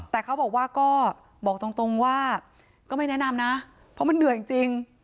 แต่เขาบอกว่าก็บอกตรงว่าก็ไม่แนะนำนะเพราะมันเหนื่อยจริง